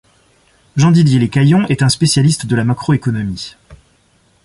Jean-Didier Lécaillon est un spécialiste de la macroéconomie.